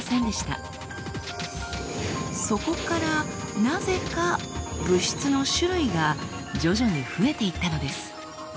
そこからなぜか物質の種類が徐々に増えていったのです。